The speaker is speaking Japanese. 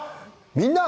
「みんな！